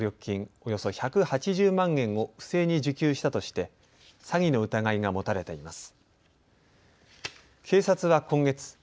およそ１８０万円を不正に受給したとして詐欺の疑いが持たれています。